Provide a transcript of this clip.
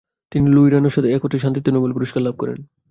তিনি লুই র্যনো-র সাথে একত্রে শান্তিতে নোবেল পুরস্কার লাভ করেন।